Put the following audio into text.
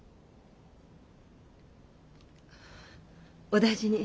お大事に。